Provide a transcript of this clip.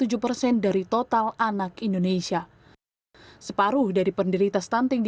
menurut pemerintah dalam jangka panjang ini dapat menghambat pertumbuhan ekonomi dan produktivitas pasar kerja